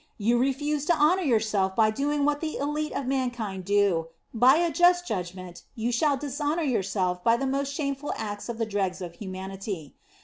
You refuse to honor yourself by doing what the elite of mankind do; by a just judgment, you shall dishonor yourself by the most shameful acts of the dregs of humanity.